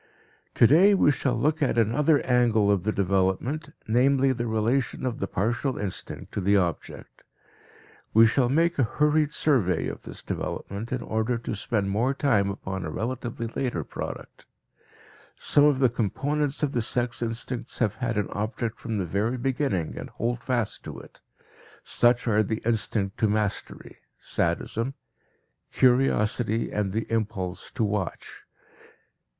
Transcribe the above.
Today we shall look at another angle of the development, namely the relation of the partial instinct to the object. We shall make a hurried survey of this development in order to spend more time upon a relatively later product. Some of the components of the sex instincts have had an object from the very beginning and hold fast to it; such are the instinct to mastery (sadism), curiosity, and the impulse to watch.